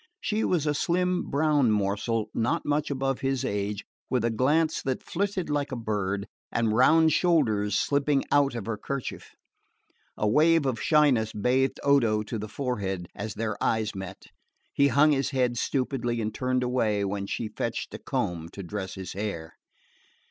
She was a slim brown morsel, not much above his age, with a glance that flitted like a bird, and round shoulders slipping out of her kerchief. A wave of shyness bathed Odo to the forehead as their eyes met: he hung his head stupidly and turned away when she fetched the comb to dress his hair.